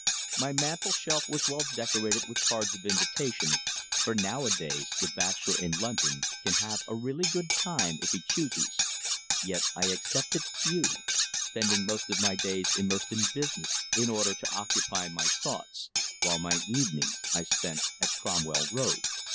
My mantelshelf was well decorated with cards of invitation, for, nowadays, the bachelor in London can have a really good time if he chooses, yet I accepted few, spending most of my days immersed in business in order to occupy my thoughts while my evenings I spent at Cromwell Road.